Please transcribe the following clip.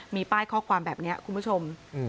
มีป้ายข้อความแบบนี้คุณผู้ชม